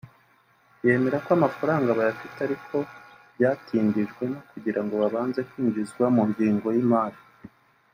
yemera ko amafaranga bayafite ariko ko byatindijwe no kugirango abanze kwinjizwa mu ngengo y’imari